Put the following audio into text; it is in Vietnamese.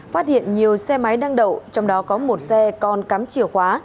phát hiện nhiều xe máy đăng đậu trong đó có một xe còn cắm chìa khóa